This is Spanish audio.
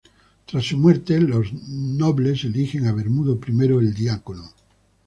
Tras su muerte, los nobles eligen a Bermudo I el Diácono.